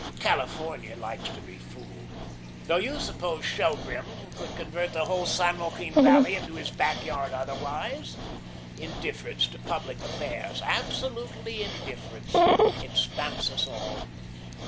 California likes to be fooled. Do you suppose Shelgrim could convert the whole San Joaquin Valley into his back yard otherwise? Indifference to public affairs absolute indifference, it stamps us all.